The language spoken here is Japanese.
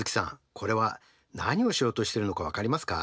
これは何をしようとしてるのか分かりますか？